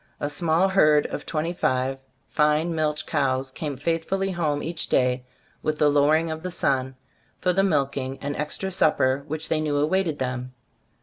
A small herd of twenty five fine milch cows came faithfully home each day with the lowering of the sun, for the milking and extra supper which they knew awaited them.